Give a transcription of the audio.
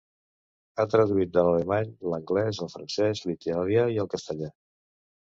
Ha traduït de l'alemany, l'anglès, el francès, l'italià i el castellà.